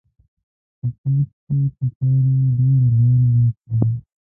د تېښتې په پار یې ډیرې لارې ولټولې